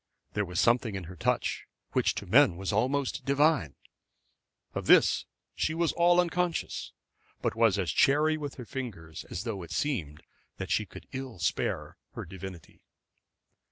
There was something in her touch which to men was almost divine. Of this she was all unconscious, but was as chary with her fingers as though it seemed that she could ill spare her divinity.